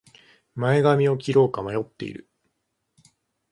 前髪を切ろうか迷っている